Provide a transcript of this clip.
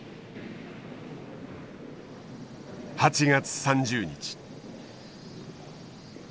８月３０日。